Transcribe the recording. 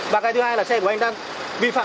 và cái thứ hai là xe của anh đang vi phạm